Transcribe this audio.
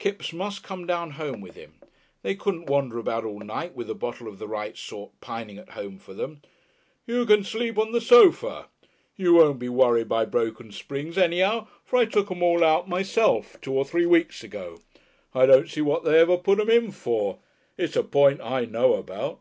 Kipps must come down home with him. They couldn't wander about all night, with a bottle of the right sort pining at home for them. "You can sleep on the sofa. You won't be worried by broken springs anyhow, for I took 'em all out myself two or three weeks ago. I don't see what they even put 'em in for. It's a point I know about.